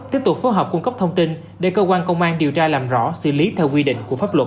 tiếp tục phối hợp cung cấp thông tin để cơ quan công an điều tra làm rõ xử lý theo quy định của pháp luật